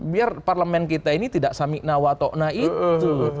biar parlemen kita ini tidak samiknawato'na itu